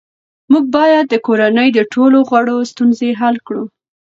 موږ باید د کورنۍ د ټولو غړو ستونزې حل کړو